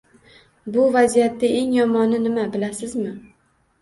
Bu vaziyatda eng yomoni nima bilasizmi?